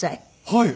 はい。